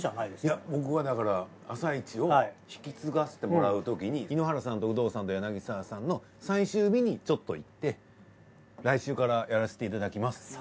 いや僕はだから『あさイチ』を引き継がせてもらうときに井ノ原と有働さんと柳澤さんの最終日にちょっと行って来週からやらせていただきます。